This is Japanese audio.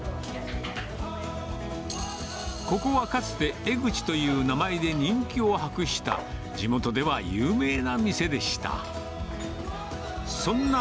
ここはかつて、江ぐちという名前で人気を博した、地元では有名な店でした。